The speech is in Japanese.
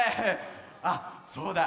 あっそうだ。